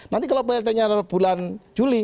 nanti kalau plt nya bulan juli